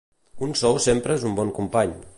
Un sou sempre és un bon company.